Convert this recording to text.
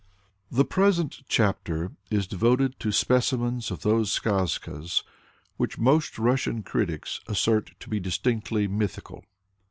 _ The present chapter is devoted to specimens of those skazkas which most Russian critics assert to be distinctly mythical.